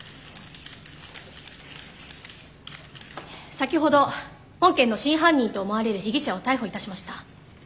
先ほど本件の真犯人と思われる被疑者を逮捕いたしました。